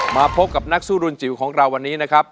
มาพบกับนักสู้รุนจิ๋วของเราวันนี้นะครับ